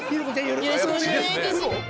よろしくお願いします。